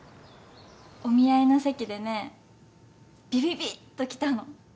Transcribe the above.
お見合いの席でねビビビっときたの。